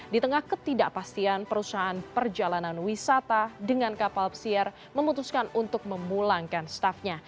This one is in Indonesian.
di tengah ketidakpastian perusahaan perjalanan wisata dengan kapal pesiar memutuskan untuk memulangkan staffnya